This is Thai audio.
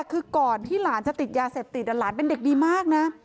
คือก่อนที่หลานจะติดยาเสพติดหลานเป็นเด็กดีมากนะ